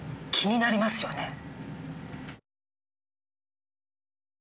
気になりますよね。